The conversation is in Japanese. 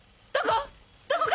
どこ？